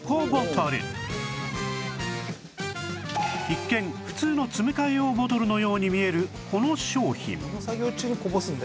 一見普通の詰め替え用ボトルのように見えるこの商品